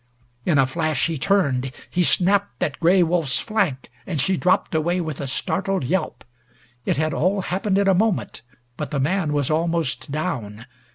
In a flash he turned. He snapped at Gray Wolf's flank, and she dropped away with a startled yelp. It had all happened in a moment, but the man was almost down.